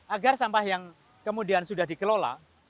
agar sampah yang kemudian sudah dikelola